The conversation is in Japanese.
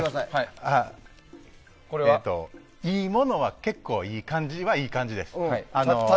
えーといいものは結構いい感じは、いい感じです。